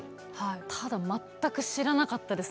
ただ全く知らなかったです